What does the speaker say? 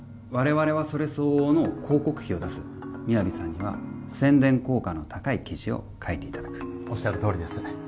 我々はそれ相応の広告費を出すＭＩＹＡＶＩさんには宣伝効果の高い記事を書いていただくおっしゃるとおりです